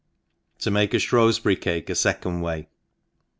To make Shrewsbury Cakes a fecond Way.